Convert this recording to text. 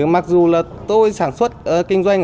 mặc dù tôi sản xuất kinh doanh